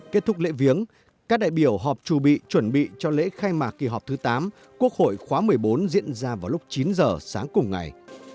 kết thúc lễ viếng các đại biểu họp trù bị chuẩn bị cho lễ khai mạc kỳ họp thứ tám quốc hội khóa một mươi bốn diễn ra vào lúc chín giờ sáng cùng ngày